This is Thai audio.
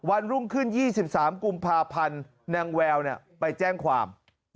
วันรุ่งขึ้น๒๓กุมภาพันธ์นางแววไปแจ้งความ